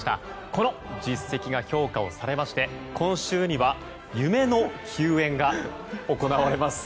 この実績が評価されまして今週には夢の球宴が行われます。